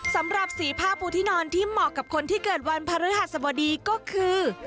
สำหรับสีผ้าปูที่นอนที่เหมาะกับคนที่เกิดวันพระฤหัสบดีก็คือ